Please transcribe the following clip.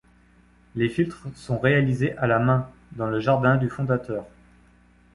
Les filtres sont réalisés à la main, dans le jardin du fondateur.